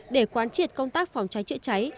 để quan triệt công tác phòng cháy chữa cháy